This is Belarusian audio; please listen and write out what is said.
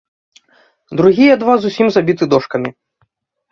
Другія два зусім забіты дошкамі.